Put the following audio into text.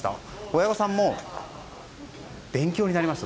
親御さんも勉強になりました